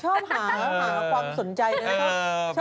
ชอบหาชอบหาความสนใจเลย